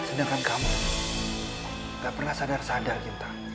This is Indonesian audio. sedangkan kamu gak pernah sadar sadar kita